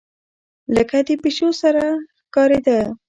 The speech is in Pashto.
لکه د پيشو سر ښکارېدۀ